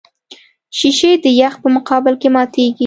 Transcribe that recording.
شیشې د یخ په مقابل کې ماتېږي.